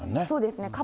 そうですね。